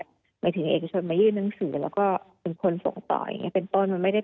หมายถึงเอกชนมายื่นหนังสือแล้วก็เป็นคนส่งต่ออย่างนี้เป็นต้น